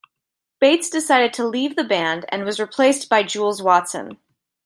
Bates decided to leave the band and was replaced by Jules Watson.